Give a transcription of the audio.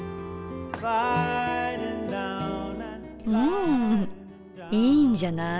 んいいんじゃない？